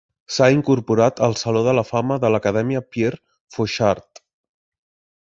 S'ha incorporat al saló de la fama de l'Acadèmia Pierre Fauchard.